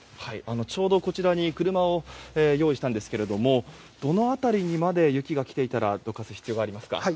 ちょうどこちらに車を用意したんですがどの辺りにまで雪が来ていたらどかす必要がありますか？